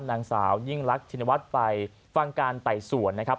นางสาวยิ่งลักษณวัสไปฟังการไต่ส่วนนะครับ